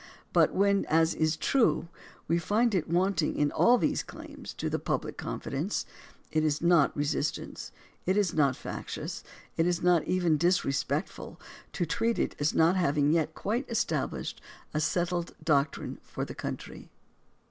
But when, as is true, we find it wanting in all these claims to the public confidence, it is not resistance, it is not factious, it is not even disrespectful, to treat it as not having yet quite established a settled doctrine for the country.